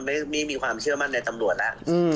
ไม่มีความเชื่อมั่นในตำรวจแล้ว